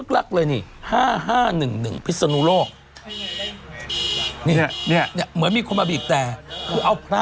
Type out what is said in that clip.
ได้ไม่ฟังจะฟังเสียงแตร่